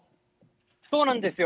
そうなんですよ。